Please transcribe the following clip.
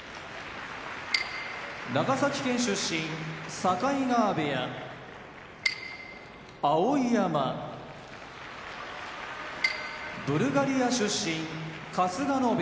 長崎県出身境川部屋碧山ブルガリア出身春日野部屋